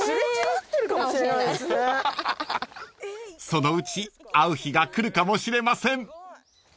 ［そのうち会う日が来るかもしれません］